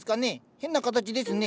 変な形ですね。